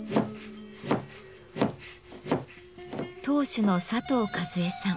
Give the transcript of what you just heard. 当主の佐藤和衛さん。